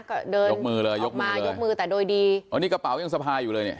ก็เดินยกมือเลยยกมือมายกมือแต่โดยดีอ๋อนี่กระเป๋ายังสะพายอยู่เลยเนี่ย